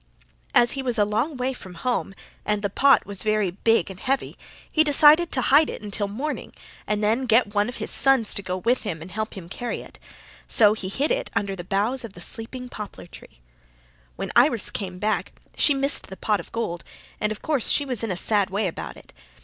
As he was a long way from home, and the pot was very big and heavy, he decided to hide it until morning and then get one of his sons to go with him and help him carry it. So he hid it under the boughs of the sleeping poplar tree. "When Iris came back she missed the pot of gold and of course she was in a sad way about it.